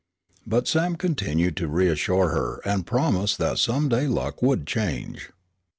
But Sam continued to reassure her and promise that some day luck would change.